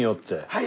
はい。